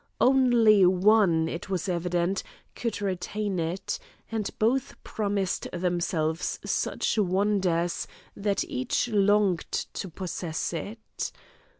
Only one, it was evident, could retain it, and both promised themselves such wonders that each longed to possess it.